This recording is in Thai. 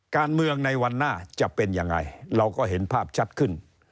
การเมืองในวันหน้าจะเป็นยังไงเราก็เห็นภาพชัดขึ้น